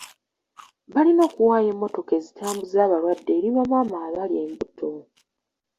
Balina okuwaayo emmotoka ezitambuza abalwadde eri bamaama abali embuto.